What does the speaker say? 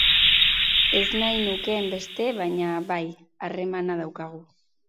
Ez nahi nukeen beste, baina, bai, harremana daukagu.